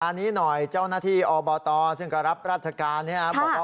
อันนี้หน่อยเจ้าหน้าที่อบตซึ่งก็รับราชการบอกว่า